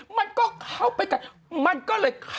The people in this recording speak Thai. มันก็เข้าไปกัดมันก็เลย